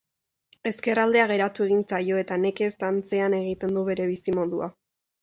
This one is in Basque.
Ezker aldea geratu egin zaio eta nekez antzean egiten du bere bizimodua.